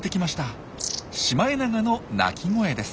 シマエナガの鳴き声です。